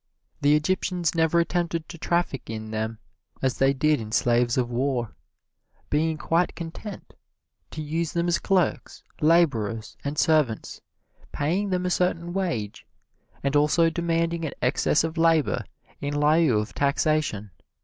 The Egyptians never attempted to traffic in them as they did in slaves of war, being quite content to use them as clerks, laborers and servants, paying them a certain wage, and also demanding an excess of labor in lieu of taxation.